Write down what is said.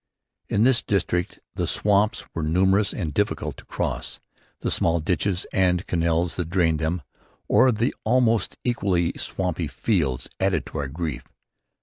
In this district the swamps were numerous and difficult to cross. The small ditches and canals that drained them or the almost equally swampy fields added to our grief.